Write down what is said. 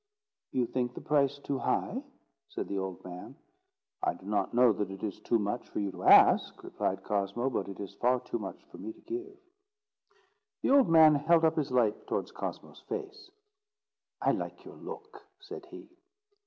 "You think the price too high?" said the old man. "I do not know that it is too much for you to ask," replied Cosmo; "but it is far too much for me to give." The old man held up his light towards Cosmo's face. "I like your look," said he.